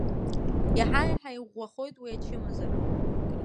Иаҳа-иаҳа иӷәӷәахоит уи ачымазара.